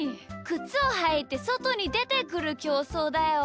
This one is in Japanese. くつをはいてそとにでてくるきょうそうだよ。